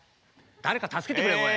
誰か助けてくれこれ。